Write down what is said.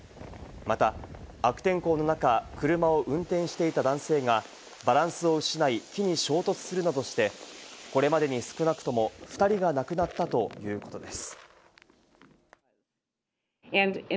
また、悪天候の中、車を運転していた男性がバランスを失い、木に衝突するなどしてこれまでに少なくとも２人が亡くなったということです。